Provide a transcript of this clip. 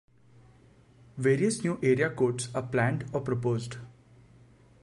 Various new area codes are planned or proposed.